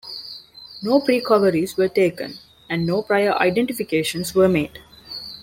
No precoveries were taken, and no prior identifications were made.